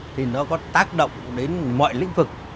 thì nó có tác động đến mọi lĩnh vực